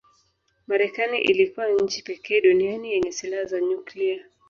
Marekani ilikuwa nchi pekee duniani yenye silaha za nyuklia